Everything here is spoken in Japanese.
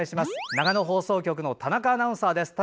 長野放送局の田中アナウンサーです。